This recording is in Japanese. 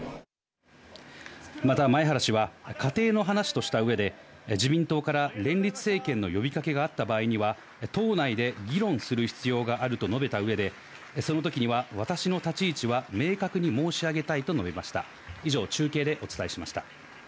また、前原氏は、仮定の話としたうえで、自民党から連立政権の呼びかけがあった場合には、党内で議論する必要があると述べたうえで、そのときには私の立ち位置は明確に申し上げたいと述べました。